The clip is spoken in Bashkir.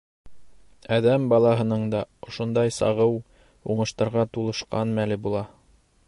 Әҙәм балаһының да ошондай сағыу, уңыштарға тулышҡан мәле була.